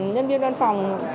nhân viên đoàn phòng